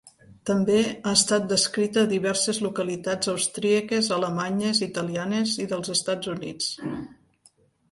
També ha estat descrita a diverses localitats austríaques, alemanyes, italianes i dels Estats Units.